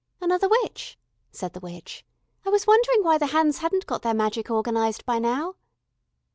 "Another witch," said the witch. "I was wondering why the Huns hadn't got their magic organised by now."